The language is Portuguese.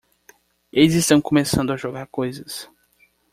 Eles estão começando a jogar coisas!